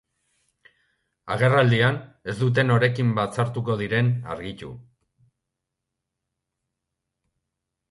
Agerraldian ez dute norekin batzartuko diren argitu.